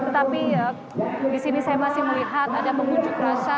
tetapi di sini saya masih melihat ada pengunjuk rasa